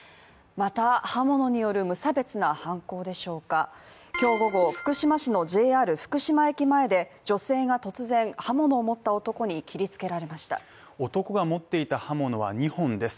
また、刃物による無差別な犯行でしょうか今日午後、福島市のＪＲ福島駅前で女性が突然、刃物を持った男に切りつけられました男が持っていた刃物は２本です。